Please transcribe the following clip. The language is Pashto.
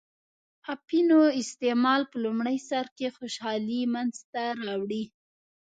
اپینو استعمال په لومړی سر کې خوشحالي منځته راوړي.